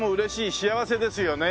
幸せですよね。